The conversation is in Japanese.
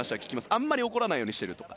あまり怒らないようにしているとか。